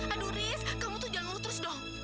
aduh riz kamu jangan lulu terus dong